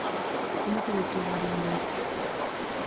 Como teletraballa unha música?